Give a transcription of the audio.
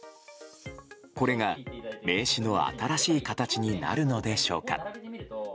これが名刺の新しい形になるのでしょうか？